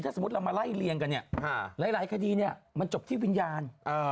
ถ้าสมมุติเรามาไล่เรียงกันเนี่ยหลายคดีเนี่ยมันจบที่วิญญาณ